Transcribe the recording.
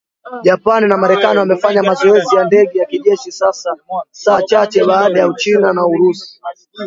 Japan na Marekani wamefanya mazoezi ya ndege za kijeshi saa chache baada ya Uchina na Urusi.